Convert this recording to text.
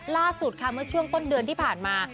ล่าสุดค่ะเมื่อช่วงต้นเดือนที่ผ่านมา